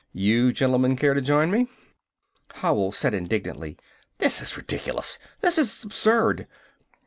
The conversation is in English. You gentlemen care to join me?" Howell said indignantly: "This is ridiculous! This is absurd!"